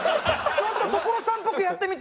ちょっと所さんっぽくやってみた。